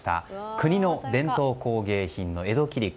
国の伝統工芸品の江戸切子。